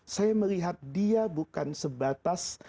saya melihat dia bukan sebatas